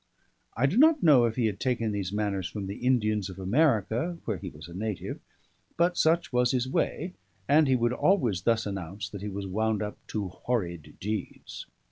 I do not know if he had taken these manners from the Indians of America, where he was a native; but such was his way, and he would always thus announce that he was wound up to horrid deeds.